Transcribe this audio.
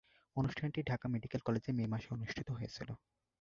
অনুষ্ঠানটি ঢাকা মেডিকেল কলেজে মে মাসে অনুষ্ঠিত হয়েছিলো।